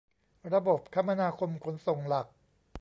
ระบบคมนาคมขนส่งหลัก